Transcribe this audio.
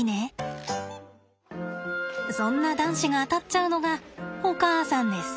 そんな男子が当たっちゃうのがお母さんです。